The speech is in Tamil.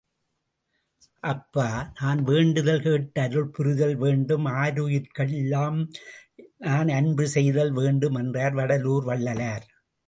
அப்பா நான் வேண்டுதல்கேட் டருள்புரிதல் வேண்டும் ஆருயிர்கட்கெல்லாம் நான் அன்பு செயல் வேண்டும் என்றார் வடலூர் வள்ளலார்.